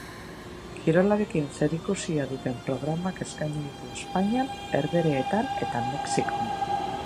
Kirolarekin zerikusia duten programak eskaini ditu Espainian, Herbehereetan eta Mexikon.